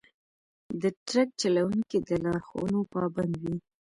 د ټرک چلوونکي د لارښوونو پابند وي.